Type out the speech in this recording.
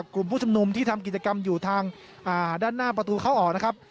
กลุ่มผู้ชมนุมที่ทำกิจกรรมอยู่ทางด้านหน้าประตูเข้าออกนะครับ